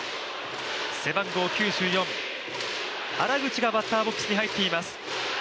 背番号９４、原口がバッターボックスに入っています。